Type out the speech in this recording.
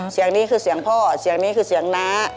เสียงนี้คือเสียงพ่อเสียงนี้คือเสียงน้า